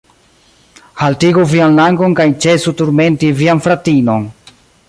Haltigu vian langon kaj ĉesu turmenti vian fratinon.